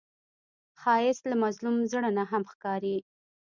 ښایست له مظلوم زړه نه هم ښکاري